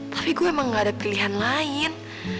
tapi gue emang gak ada pilihan lain